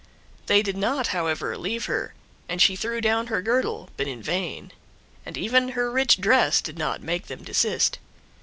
They did not, however, leave her, and she threw down her girdle, but in vain; and even her rich dress did not make them desist.